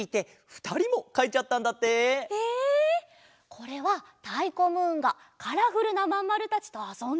これはたいこムーンがカラフルなまんまるたちとあそんでいるところかな？